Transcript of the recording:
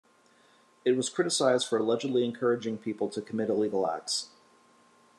It was criticized for allegedly encouraging people to commit illegal acts.